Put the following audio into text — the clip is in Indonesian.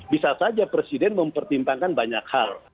bisa saja presiden mempertimbangkan banyak hal